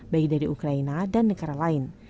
baik dari ukraina dan negara lain